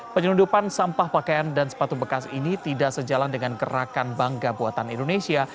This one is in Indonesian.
penyelundupan sampah pakaian dan sepatu bekas ini tidak sejalan dengan gerakan bangga buatan indonesia